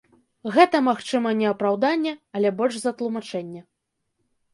Гэта, магчыма, не апраўданне, але больш за тлумачэнне.